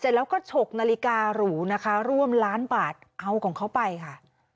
เสร็จแล้วก็ฉกนาฬิกาหรูรวมล้านบาทเอาของเขาไปค่ะ